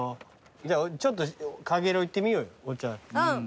じゃあちょっとかげろう行ってみようよお茶。